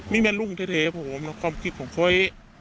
นี่แม่รุ่งแท้ผมความคิดผมเคย